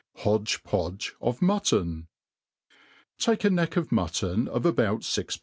Hodge Podge of Mutton* TAKE a neck of mutton of about fix.